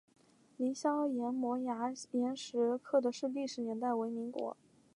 凌霄岩摩崖石刻的历史年代为民国。